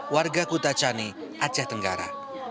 warga kutacani aceh tenggara